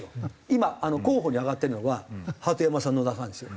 今候補に挙がってるのが鳩山さん野田さんですよ。